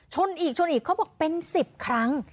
ชนอีกเขาบอกเป็น๑๐ครั้ง